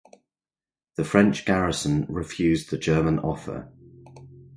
The French garrison refused the German offer.